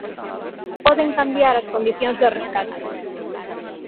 Poden cambiar as condicións do rescate.